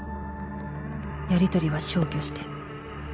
「やりとりは消去して」